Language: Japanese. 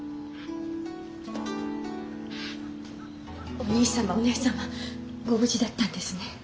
お兄様お義姉様ご無事だったんですね。